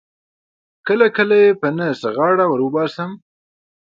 کله کله یې په نه څه غاړه ور وباسم.